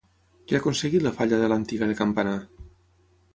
Què ha aconseguit la falla de l'Antiga de Campanar?